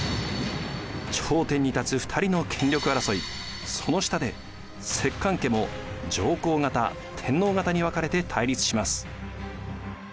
頂点に立つ２人の権力争いその下で摂関家も上皇方天皇方に分かれて対立します。